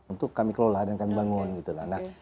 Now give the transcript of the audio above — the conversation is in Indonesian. untuk kami kelola dan kami bangun gitu lah